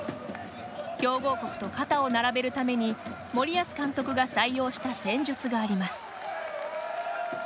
強豪国と肩を並べるために森保監督が採用した戦術があります。